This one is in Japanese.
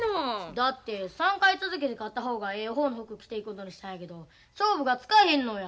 だって３回続けて勝った方がええ方の服着ていくことにしたんやけど勝負がつかへんのや。